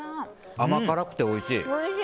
甘辛くておいしい。